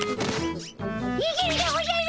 にげるでおじゃる！